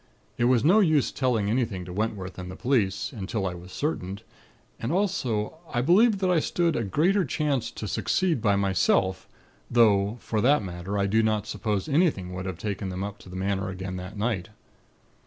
It was no use telling anything to Wentworth and the police, until I was certain; and, also, I believed that I stood a greater chance to succeed by myself; though, for that matter, I do not suppose anything would have taken them up to the Manor again that night.